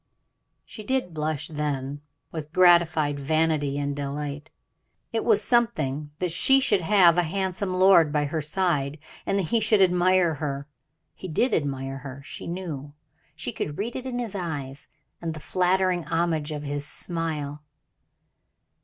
She did blush then with gratified vanity and delight. It was something that she should have a handsome lord by her side, and that he should admire her. He did admire her, she knew; she could read it in his eyes and the flattering homage of his smile.